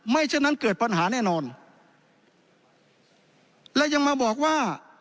ฉะนั้นเกิดปัญหาแน่นอนและยังมาบอกว่า